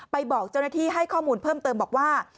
บอกเจ้าหน้าที่ให้ข้อมูลเพิ่มเติมบอกว่า